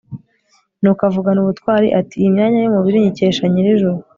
nuko avugana ubutwari, ati iyi myanya y'umubiri nyikesha nyir'ijuru